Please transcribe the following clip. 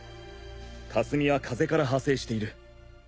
「霞」は「風」から派生している。